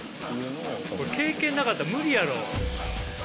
経験なかったら無理やろ。